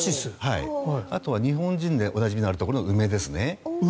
あとは日本人でおなじみのある梅ですね。